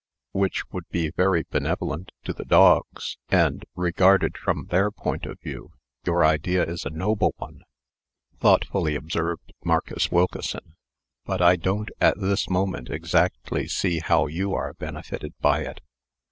"Which would be very benevolent to the dogs; and, regarded from their point of view, your idea is a noble one," thoughtfully observed Marcus Wilkeson. "But I don't, at this moment, exactly see how you are benefited by it."